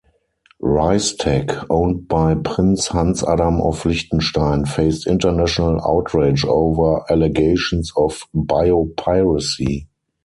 RiceTec, owned by Prince Hans-Adam of Liechtenstein, faced international outrage over allegations of biopiracy.